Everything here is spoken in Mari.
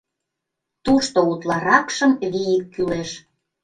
Тушто утларакшым вий кӱлеш.